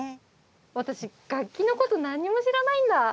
私楽器のこと何にも知らないんだ。